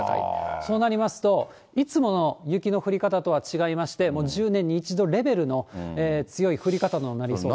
そうなりますと、いつもの雪の降り方とは違いまして、もう１０年に一度レベルの強い降り方となりそうです。